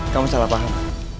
kamu salah paham